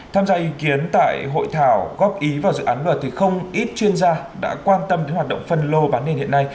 tham gia ý kiến tại hội thảo góp ý vào dự án luật thì không ít chuyên gia đã quan tâm đến hoạt động phân lô bán nền hiện nay